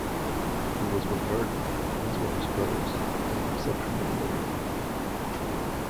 He was regarded, as were his brothers, as an exceptional warrior.